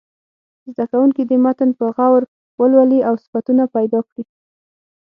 زده کوونکي دې متن په غور ولولي او صفتونه پیدا کړي.